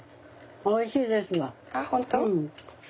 おいしいですわ。